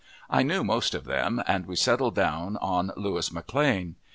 I knew most of them, and we settled down on Louis McLane.